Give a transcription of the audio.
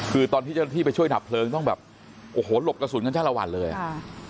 คือตอนที่ที่ไปช่วยดับเพลิงต้องแบบโอ้โหหลบกระสุนกันช่างละหวัดเลยอ่า